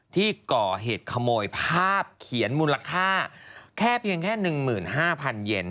ที่ก่อเหตุขโมยภาพเขียนมูลค่าแค่เพียงแค่๑๕๐๐เย็น